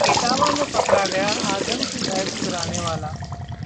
इटावा में पकड़ा गया आजम की भैंस चुराने वाला